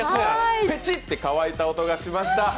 ペチッて乾いた音がしました。